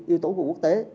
yếu tố của quốc tế